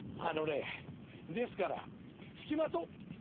あのねですからつきまと。